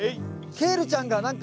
ケールちゃんがなんか。